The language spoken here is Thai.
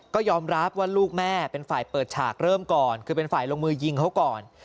ก็ยอมรับว่าลูกแม่เป็นฝ่ายเปิดฉากเริ่มก่อนคือเป็นฝ่ายลงมือยิงเขาก่อน